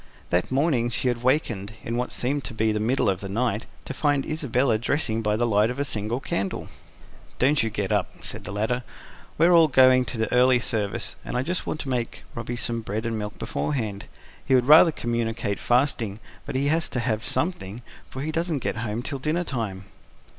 That morning she had wakened, in what seemed to be the middle of the night, to find Isabella dressing by the light of a single candle. "Don't you get up," said the latter. "We're all going to early service, and I just want to make Robby some bread and milk beforehand. He would rather communicate fasting, but he has to have something, for he doesn't get home till dinner time."